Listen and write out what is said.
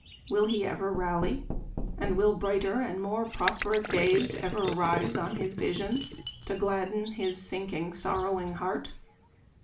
Will he ever rally ? and will brighter and more prosperous days ever rise on his vision to gladden his sinking, sorrowing heart